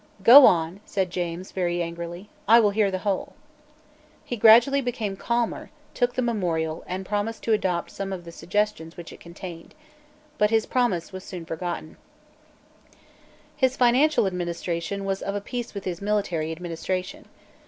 "Go on," said James very angrily; "I will hear the whole." He gradually became calmer, took the memorial, and promised to adopt some of the suggestions which it contained. But his promise was soon forgotten, His financial administration was of a piece with his military administration.